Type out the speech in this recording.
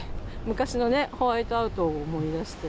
昔のホワイトアウトを思い出して。